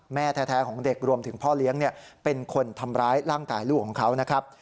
แม่แท้ของเด็กรวมถึงพ่อเลี้ยงเป็นคนทำร้ายร่างกายลูกของเขานะครับ